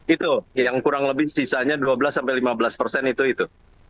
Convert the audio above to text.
itu yang kurang lebih sisanya dua belas sampai lima belas persen itu